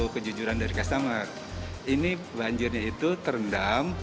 kejujuran dari customer ini banjirnya itu terendam